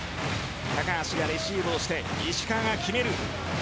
高橋がレシーブをして石川が決める。